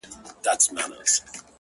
• د شګوفو د پسرلیو وطن,